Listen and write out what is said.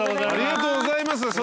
ありがとうございます。